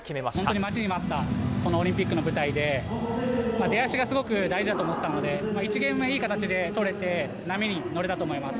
本当に待ちに待ったこのオリンピックの舞台で、出だしがすごく大事だと思ってたので、１ゲーム目、いい形で取れて、波に乗れたと思います。